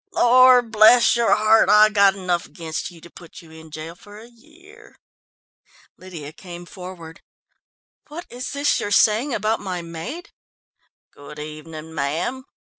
Lord bless your heart, I've got enough against you to put you in jail for a year." Lydia came forward. "What is this you're saying about my maid?" "Good evening, ma'am."